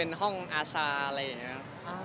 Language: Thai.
บ้านน้องแมวสรุปแพงกว่าบ้านผม